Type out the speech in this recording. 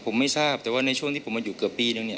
ผมไม่ทราบแต่ว่าในช่วงที่ผมมาอยู่เกือบปีนึงเนี่ย